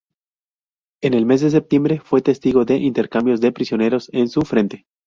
En el mes de septiembre, fue testigo de intercambios de prisioneros en su frente.